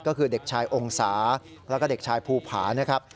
ก็คือเด็กชายองศาแล้วก็เด็กชายภูผานะครับ